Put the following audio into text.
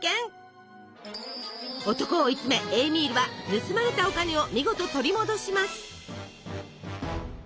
男を追い詰めエーミールは盗まれたお金を見事取り戻します。